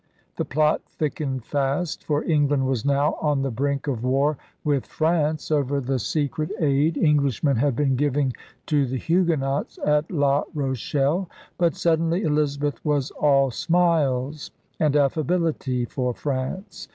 The plot thickened fast; for England was now on the brink of war with France over the secret aid Englishmen had been giving to the Huguenots at La Rochelle. But suddenly Elizabeth was all smiles and affability for France.